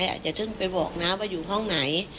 อย่าเพิ่งไปบอกนะว่าอยู่ห้องไหน